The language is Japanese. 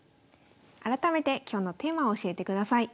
改めて今日のテーマを教えてください。